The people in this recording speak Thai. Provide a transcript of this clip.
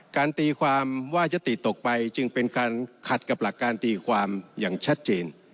ตีความว่ายติตกไปจึงเป็นการขัดกับหลักการตีความอย่างชัดเจน